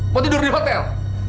mau tidur di hotel